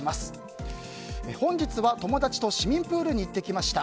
本日は友達と市民プールに行ってきました。